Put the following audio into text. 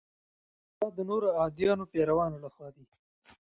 دا د نورو ادیانو پیروانو له خوا ده.